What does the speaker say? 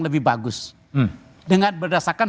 lebih bagus dengan berdasarkan